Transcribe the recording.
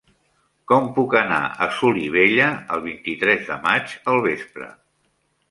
Com puc anar a Solivella el vint-i-tres de maig al vespre?